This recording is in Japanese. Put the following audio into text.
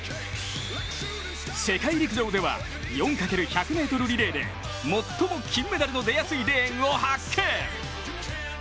世界陸上では、４×１００ｍリレーで最も金メダルの出やすいレーンを発見！